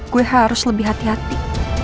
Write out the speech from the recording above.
gue harus lebih hati hati